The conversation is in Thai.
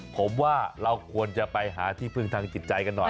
ผมว่าเราควรจะไปหาที่พึ่งทางจิตใจกันหน่อย